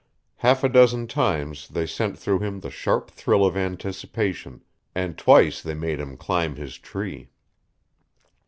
Half a dozen times they sent through him the sharp thrill of anticipation, and twice they made him climb his tree.